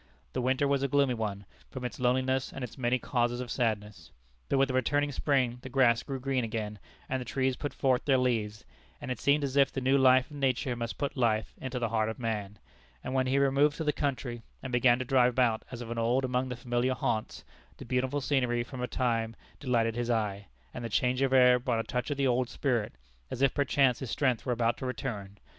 The winter was a gloomy one, from its loneliness and its many causes of sadness. But with the returning spring the grass grew green again, and the trees put forth their leaves, and it seemed as if the new life of nature must put life into the heart of man: and when he removed to the country, and began to drive about as of old among the familiar haunts, the beautiful scenery for a time delighted his eye, and the change of air brought a touch of the old spirit, as if perchance his strength were about to return.